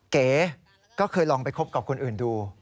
เก๋ก็เคยลองไปคบกับคนอื่นดู